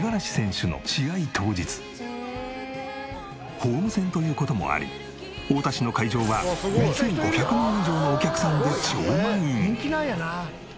ホーム戦という事もあり太田市の会場は２５００人以上のお客さんで超満員！